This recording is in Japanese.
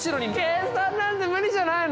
計算なんて無理じゃないの？